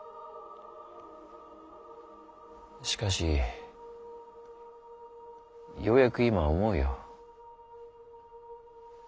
しかしようやく今思うよ。